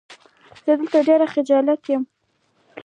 زه درته ډېر خجالت يم.